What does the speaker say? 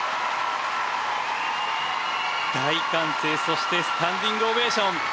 大歓声、そしてスタンディングオベーション。